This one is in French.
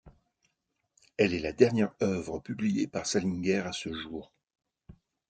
Elle est la dernière œuvre publiée par Salinger à ce jour.